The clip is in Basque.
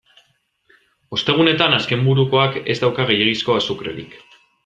Ostegunetan azkenburukoak ez dauka gehiegizko azukrerik.